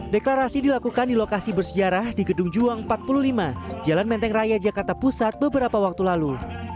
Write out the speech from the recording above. deklarasi dilakukan di lokasi bersejarah di gedung juang empat puluh lima jalan menteng raya jakarta pusat beberapa waktu lalu